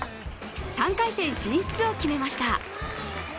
３回戦進出を決めました。